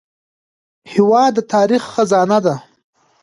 هېواد د تاریخ خزانه ده.